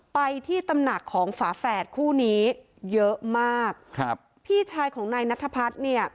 ไปที่ตำหนักของฝาแฝดคู่นี้เยอะมากครับพี่ชายของนายนัทพัฒน์เนี่ย